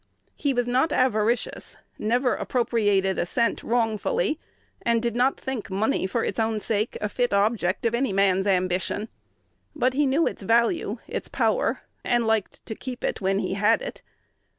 He was not avaricious, never appropriated a cent wrongfully, and did not think money for its own sake a fit object of any man's ambition. But he knew its value, its power, and liked to keep it when he had it.